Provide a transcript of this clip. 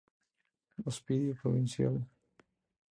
Hospicio Provincial.